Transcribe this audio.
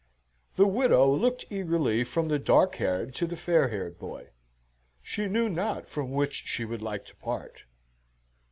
The widow looked eagerly from the dark haired to the fair haired boy. She knew not from which she would like to part.